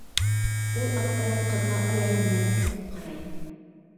Ул, аптырап, ҡыҙға аяғы менән төртөп ҡарай.